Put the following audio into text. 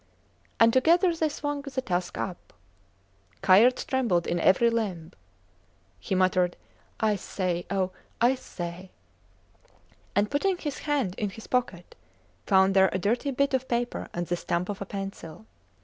and together they swung the tusk up. Kayerts trembled in every limb. He muttered, I say! O! I say! and putting his hand in his pocket found there a dirty bit of paper and the stump of a pencil.